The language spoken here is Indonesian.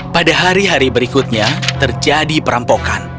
pada hari hari berikutnya terjadi perampokan